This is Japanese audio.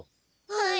はい。